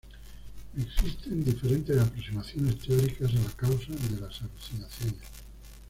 Existen diferentes aproximaciones teóricas a la causa de las alucinaciones.